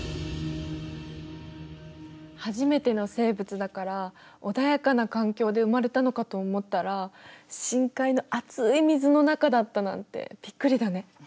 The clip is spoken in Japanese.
初めての生物だから穏やかな環境で生まれたのかと思ったら深海の熱い水の中だったなんてびっくりだね。